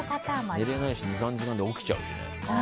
寝れないし２３時間で起きちゃう。